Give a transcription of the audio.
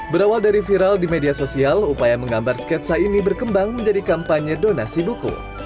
berawal dari viral di media sosial upaya menggambar sketsa ini berkembang menjadi kampanye donasi buku